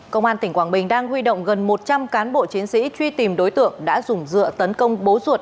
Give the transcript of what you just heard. công an tỉnh quảng bình đang huy động gần một trăm linh cán bộ chiến sĩ truy tìm đối tượng đã dùng dựa tấn công bố ruột